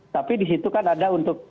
tapi disitu kan ada untuk